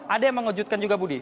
ada yang mengejutkan juga budi